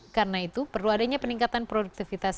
karena itu perlu adanya peningkatan produktivitas